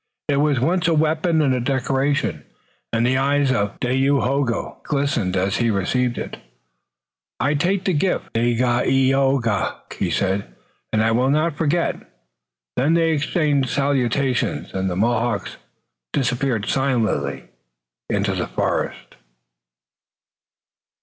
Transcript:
It was at once a weapon and a decoration, and the eyes of Dayohogo glistened as he received it. "I take the gift, Dagaeoga," he said, "and I will not forget." Then they exchanged salutations, and the Mohawks disappeared silently in the forest.